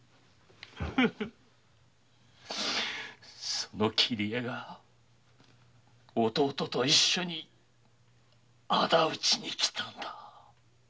その桐江が弟と一緒に仇討ちに来たんだ。